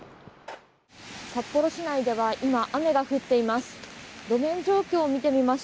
札幌市内では今雨が降っています。